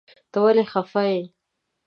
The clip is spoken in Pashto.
ته ولی خپه یی ؟